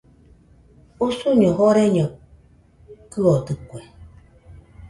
Usuma joreño kɨodɨkue.